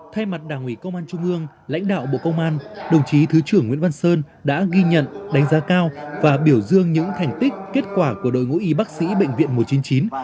thay mặt đảng ủy công an trung ương lãnh đạo bộ công an đồng chí thứ trưởng nguyễn văn sơn đã ghi nhận đánh giá cao và biểu dương những thành tích kết quả của đội ngũ y bác sĩ bệnh viện một trăm chín mươi chín